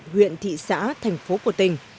huyện thị xã thành phố của tỉnh